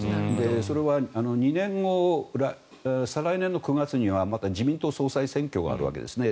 それは２年後、再来年の９月にはまた自民党総裁選挙があるわけですね。